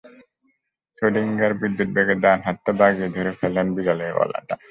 Schrödinger বিদ্যুবেগে ডান হাতটা বাগিয়ে ধরে ফেলেন বিড়ালের গলাটা।